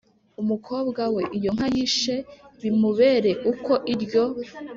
umukobwa we iyo nka yishe bimubere uko iryo